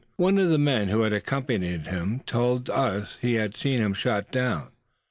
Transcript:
One of the men who had accompanied him told us he had seen him shot down.